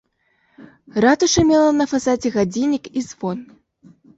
Ратуша мела на фасадзе гадзіннік і звон.